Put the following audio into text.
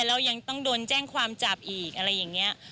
แล้วยังต้องโดนแจ้งความจับอีกอะไรอย่างนี้